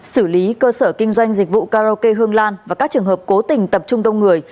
xử lý cơ sở kinh doanh dịch vụ karaoke hương lan và các trường hợp cố tình tập trung đông người